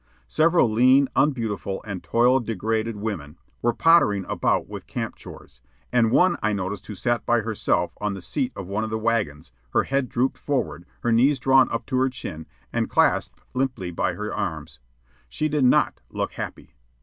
Several lean, unbeautiful, and toil degraded women were pottering about with camp chores, and one I noticed who sat by herself on the seat of one of the wagons, her head drooped forward, her knees drawn up to her chin and clasped limply by her arms. She did not look happy.